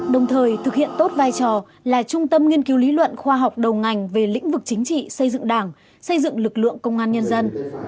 đồng thời thực hiện tốt vai trò là trung tâm nghiên cứu lý luận khoa học đầu ngành về lĩnh vực chính trị xây dựng đảng xây dựng lực lượng công an nhân dân